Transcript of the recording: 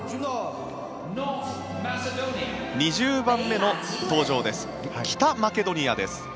２０番目の登場です。